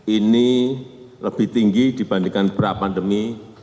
ini lebih tinggi dibandingkan pra pandemi